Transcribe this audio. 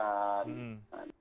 dan kebetulan tahun ini jatuh di